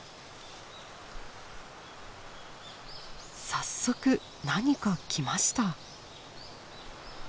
早速何か来ました。